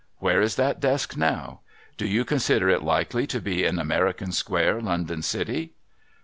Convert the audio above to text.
Where is that desk now ? Do you consider it likely to be in America square, London City